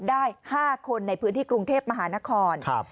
ได้๕คนในพื้นที่กรุงเทพมหานคร